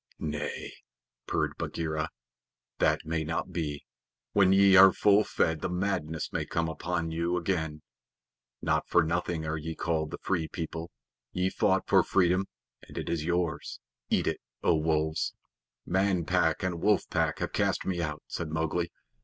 "Nay," purred Bagheera, "that may not be. When ye are full fed, the madness may come upon you again. Not for nothing are ye called the Free People. Ye fought for freedom, and it is yours. Eat it, O Wolves." "Man Pack and Wolf Pack have cast me out," said Mowgli.